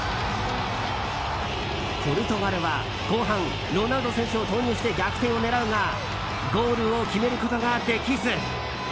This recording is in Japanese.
ポルトガルは後半ロナウド選手を投入して逆転を狙うがゴールを決めることができず。